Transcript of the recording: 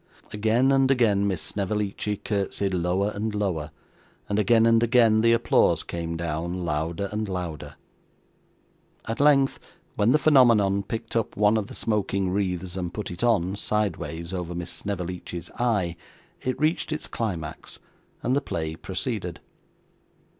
Again and again Miss Snevellicci curtseyed lower and lower, and again and again the applause came down, louder and louder. At length, when the phenomenon picked up one of the smoking wreaths and put it on, sideways, over Miss Snevellicci's eye, it reached its climax, and the play proceeded.